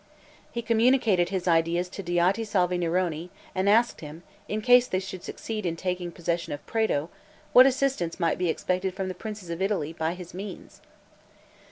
He communicated his ideas to Diotisalvi Neroni, and asked him, in case they should succeed in taking possession of Prato, what assistance might be expected from the princes of Italy, by his means?